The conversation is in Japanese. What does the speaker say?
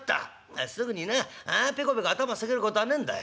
すぐになペコペコ頭下げるこたあねんだい。